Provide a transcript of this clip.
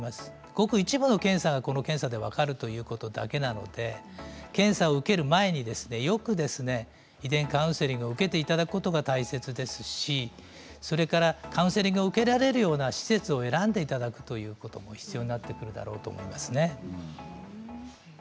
ごく一部の検査がこの検査で分かるということだけなので検査を受ける前によく遺伝カウンセリングを受けていただくことが大切ですしカウンセリングを受けられるような施設を選んでいただくということも必要になってくるだろうと思いますね。